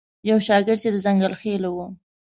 یو شاګرد چې د ځنګل خیلو و.